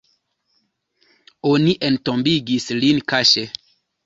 Oni entombigis lin kaŝe.